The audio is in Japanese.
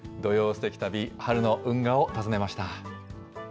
すてき旅、春の運河を訪ねました。